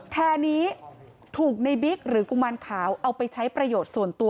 แพร่นี้ถูกในบิ๊กหรือกุมารขาวเอาไปใช้ประโยชน์ส่วนตัว